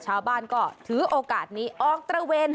ชาวบ้านก็ถือโอกาสนี้ออกตระเวน